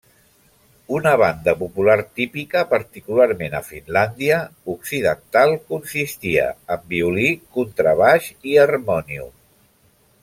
Una banda popular típica, particularment a Finlàndia occidental, consistia en violí, contrabaix i harmònium.